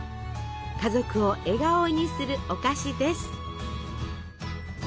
家族を笑顔にするお菓子です。